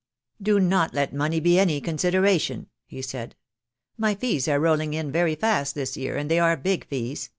"Do not let money be any consideration," he said. "My fees are rolling in very fast this year, and they are big fees.